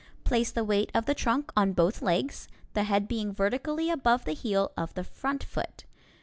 Place the weight of the trunk on both legs, the head being vertically above the heel of the front foot.